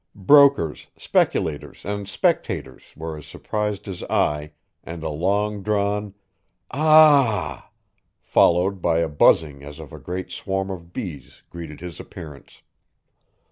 Brokers, speculators and spectators were as surprised as I, and a long drawn "Ah h!" followed by a buzzing as of a great swarm of bees greeted his appearance.